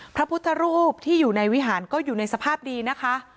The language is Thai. พระพุทธรูปที่อยู่ในวิหารก็อยู่ในสภาพดีนะคะ